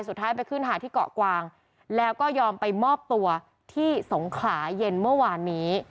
สุดท้ายไปขึ้นหาที่เกาะกวางแล้วก็ยอมไปมอบตัวที่สงขลาเย็นเมื่อวานนี้